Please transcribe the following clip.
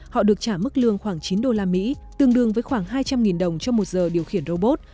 họ được trả mức lương khoảng chín đô la mỹ tương đương với khoảng hai trăm linh đồng cho một giờ điều khiển robot